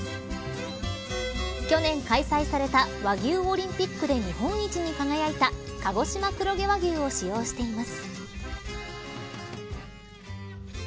去年開催された和牛オリンピックで日本一に輝いた鹿児島黒毛和牛を使用しています。